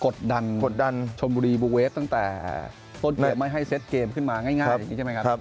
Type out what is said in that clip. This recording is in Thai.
ต้นเกลียดไม่ให้เซตเกมขึ้นมาง่ายแบบนี้ใช่ไหมครับ